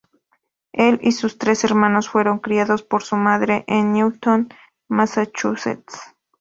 Él y sus tres hermanos fueron criados por su madre en Newton, Massachusetts.